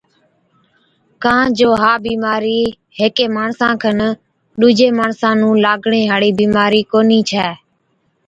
ڪان جو ها بِيمارِي هيڪي ماڻسا کن ڏُوجي ماڻسا نُون لاگڻي هاڙِي بِيمارِي ڪونهِي ڇَي۔